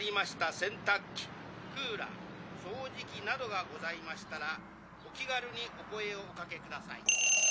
洗濯機クーラー掃除機などがございましたらお気軽にお声をおかけください」